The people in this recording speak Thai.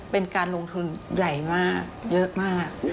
เป็นการลงทุนใหญ่มากเยอะมาก